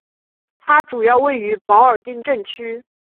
它主要位于保尔丁镇区。